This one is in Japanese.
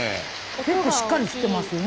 結構しっかり降ってますよね。